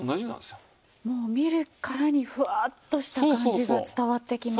もう見るからにふわっとした感じが伝わってきます。